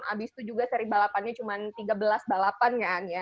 abis itu juga seri balapannya cuma tiga belas balapan kan ya